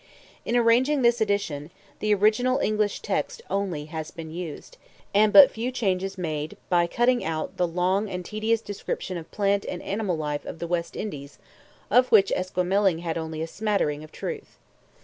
In arranging this edition, the original English text only has been used, and but few changes made by cutting out the long and tedious description of plant and animal life of the West Indies of which Esquemeling had only a smattering of truth.